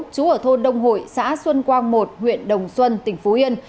chú ở thôn đông hội xã xuân quang một huyện đồng xuân tỉnh phú yên